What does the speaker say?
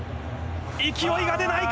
勢いが出ないか。